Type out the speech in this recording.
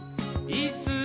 いっすー！」